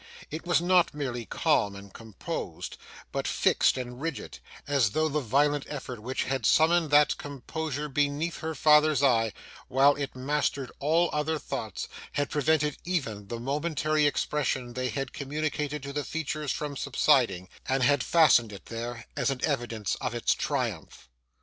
It was not merely calm and composed, but fixed and rigid, as though the violent effort which had summoned that composure beneath her father's eye, while it mastered all other thoughts, had prevented even the momentary expression they had communicated to the features from subsiding, and had fastened it there, as an evidence of its triumph.